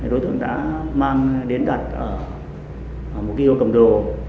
đối tượng đã mang đến đặt một cái hiệu cầm đồ